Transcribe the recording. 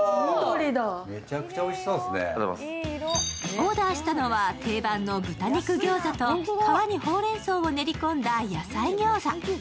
オーダーしたのは定番の豚肉餃子と皮にほうれんそうを練り込んだ野菜餃子。